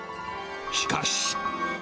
しかし。